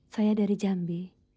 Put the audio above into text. saya dari jambi